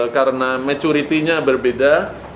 karena maturity nya berbeda